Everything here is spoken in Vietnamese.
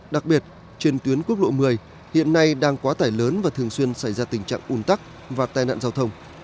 đặc biệt trên tuyến quốc lộ một mươi hiện nay đang quá tải lớn và thường xuyên xảy ra tình trạng ủn tắc và tai nạn giao thông